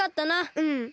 うん。